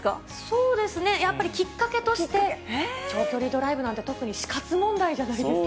そうですね、やっぱりきっかけとして、長距離ドライブなんて、特に死活問題じゃないですか。